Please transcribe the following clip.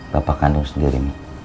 bapak kandung sendiri